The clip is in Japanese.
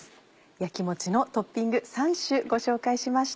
焼きもちのトッピング３種ご紹介しました。